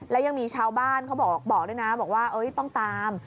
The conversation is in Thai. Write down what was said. และยังมีชาวบ้านเขาบอกด้วยนะบอกว่าต้องตาม